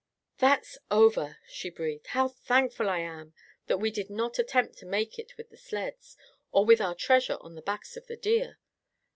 "That's over," she breathed. "How thankful I am that we did not attempt to make it with the sleds, or with our treasure on the backs of the deer.